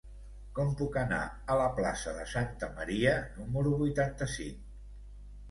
Com puc anar a la plaça de Santa Maria número vuitanta-cinc?